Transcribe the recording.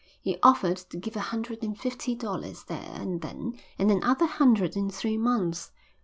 He offered to give a hundred and fifty dollars there and then and another hundred in three months.